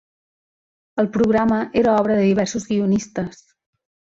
El programa era obra de diversos guionistes.